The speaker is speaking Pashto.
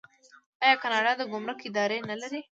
آیا کاناډا د ګمرک اداره نلري؟